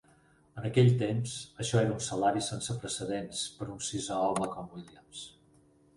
En aquell temps, això era un salari sense precedents per un sisè home com Williams.